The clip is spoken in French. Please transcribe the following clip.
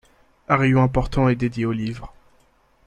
Un rayon important est dédié aux livres.